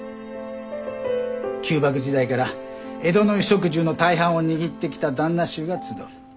旧幕時代から江戸の衣食住の大半を握ってきた檀那衆が集う。